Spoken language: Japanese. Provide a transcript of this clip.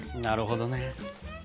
なるほどね。